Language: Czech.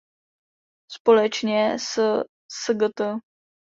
Společně s Sgt.